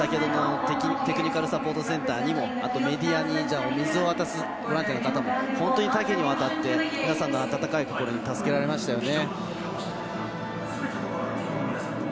テクニカルサポートセンターにもメディアに、お水を渡すボランティアの方も本当に多岐にわたって皆さんの温かい心に助けられましたよね。